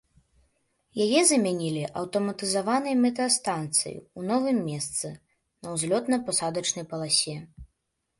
Яе замянілі аўтаматызаванай метэастанцыяй у новым месцы на ўзлётна-пасадачнай паласе.